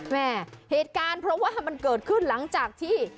เหตุการณ์เพราะว่ามันเกิดขึ้นหลังจากที่